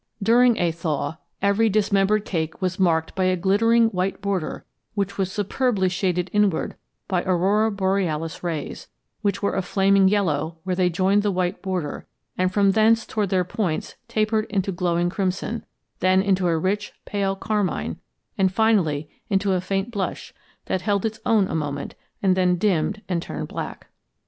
During a 'thaw' every dismembered cake was marked by a glittering white border which was superbly shaded inward by aurora borealis rays, which were a flaming yellow where they joined the white border, and from thence toward their points tapered into glowing crimson, then into a rich, pale carmine, and finally into a faint blush that held its own a moment and then dimmed and turned black.